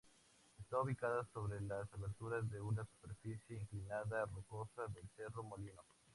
Está ubicado sobre las aberturas de una superficie inclinada rocosa del cerro Molino.